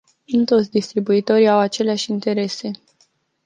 Nu toți distribuitorii au aceleași interese.